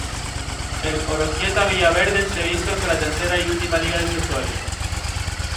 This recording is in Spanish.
El Oroquieta Villaverde se hizo con la tercera y última liga de su historia.